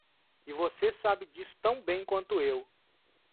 E você sabe disso tão bem quanto eu.